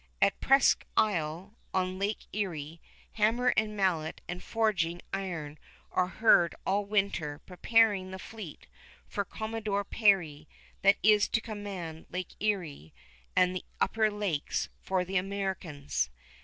At Presqu' Isle, on Lake Erie, hammer and mallet and forging iron are heard all winter preparing the fleet for Commodore Perry that is to command Lake Erie and the Upper Lakes for the Americans.